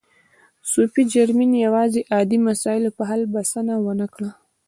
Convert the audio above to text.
صوفي جرمین یوازې عادي مسایلو په حل بسنه و نه کړه.